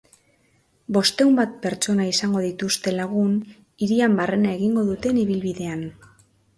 Bostehun bat pertsona izango dituzte lagun hirian barrena egingo duten ibilbidean.